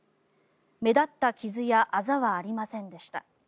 目立った傷や、あざはありませんでした。